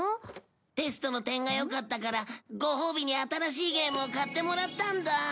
テストの点がよかったからごほうびに新しいゲームを買ってもらったんだ。